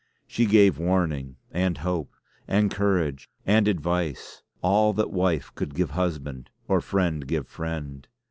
She gave warning, and hope, and courage, and advice; all that wife could give husband, or friend give friend.